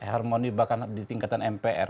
harmoni bahkan di tingkatan mpr